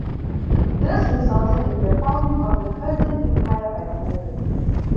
This resulted in the founding of the Persian empire by Cyrus.